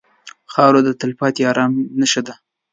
خاوره د تلپاتې ارام نښه ده.